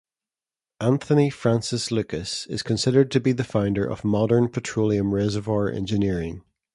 Anthony Francis Lucas is considered to be the founder of modern petroleum reservoir engineering.